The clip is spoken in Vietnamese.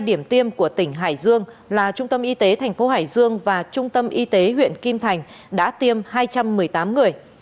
điểm tiêm của tỉnh hải dương là trung tâm y tế thành phố hải dương và trung tâm y tế huyện kim thành đã tiêm hai trăm một mươi tám người